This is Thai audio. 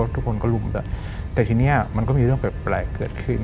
ทุกคนก็ลุมแต่ทีนี้มันก็มีเรื่องแปลกเกิดขึ้น